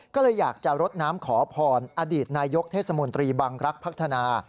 ก็เลยอยากจะรดน้ำขอพรอดีตนายกเทศมนตรีบังรักษ์พัฒนา